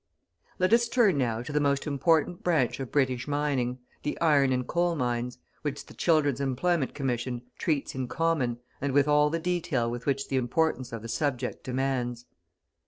Let us turn now to the most important branch of British mining, the iron and coal mines, which the Children's Employment Commission treats in common, and with all the detail which the importance of the subject demands.